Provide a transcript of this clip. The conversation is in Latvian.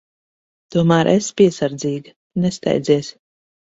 Tomēr esi piesardzīga. Nesteidzies.